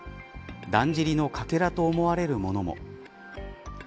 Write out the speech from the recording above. だんじりのかけらと思われるものも。